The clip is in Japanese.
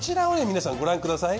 皆さんご覧ください。